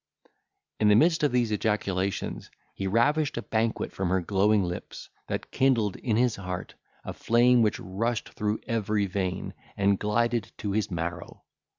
In the midst of these ejaculations, he ravished a banquet from her glowing lips, that kindled in his heart a flame which rushed through every vein, and glided to his marrow.